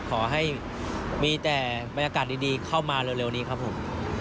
ขอให้มีแต่บรรยากาศดีเข้ามาเร็วนี้ครับผม